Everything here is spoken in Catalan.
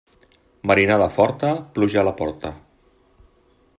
Marinada forta, pluja a la porta.